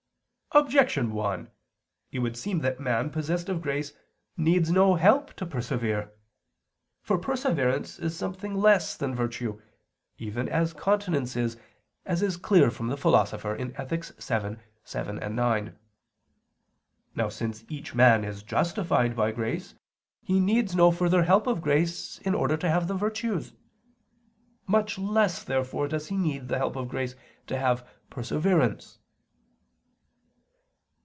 Objection 1: It would seem that man possessed of grace needs no help to persevere. For perseverance is something less than virtue, even as continence is, as is clear from the Philosopher (Ethic. vii, 7, 9). Now since man is justified by grace, he needs no further help of grace in order to have the virtues. Much less, therefore, does he need the help of grace to have perseverance.